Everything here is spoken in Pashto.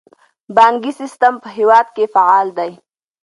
بانکي سیستم په هیواد کې فعال دی